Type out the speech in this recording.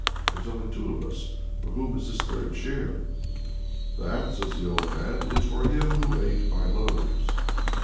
There's only two of us. For whom is this third share?" "That," says the old man, "is for him who ate my loaves."